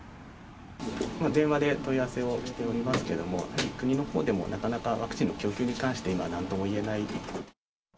電話で問い合わせをしておりますけれども、国のほうでも、なかなかワクチンの供給に関して、今はなんとも言えないと。